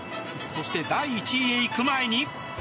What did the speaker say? そして、第１位へ行く前に。